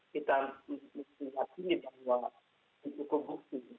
kita harus mengingatkan bahwa itu keguh keguh